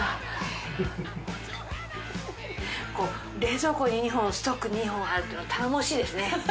冷蔵庫に２本ストック２本あると頼もしいですね。